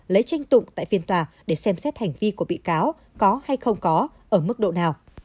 lấy tranh tụng tại phiên tòa để xem xét hành vi của bị cáo có hay không có ở mức độ nào